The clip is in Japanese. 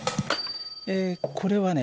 これはね